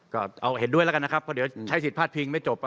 ก็เอาเห็นด้วยแล้วกันนะครับเพราะเดี๋ยวใช้สิทธิพลาดพิงไม่จบ